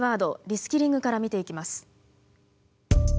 リスキリングから見ていきます。